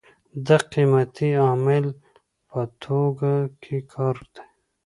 د قیمتۍ عامل په توکو کې کار دی.